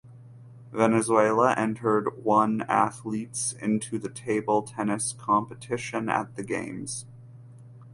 Venezuela entered one athletes into the table tennis competition at the games.